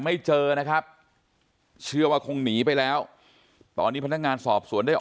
ไม่เจอนะครับเชื่อว่าคงหนีไปแล้วตอนนี้พนักงานสอบสวนได้ออก